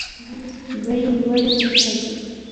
بیې لوړې وساتي.